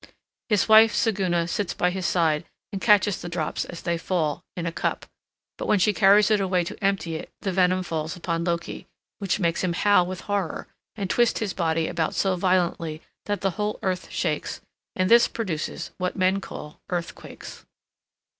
His wife Siguna sits by his side and catches the drops as they fall, in a cup; but when she carries it away to empty it, the venom falls upon Loki, which makes him howl with horror, and twist his body about so violently that the whole earth shakes, and this produces what men call earthquakes.